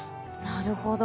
なるほど。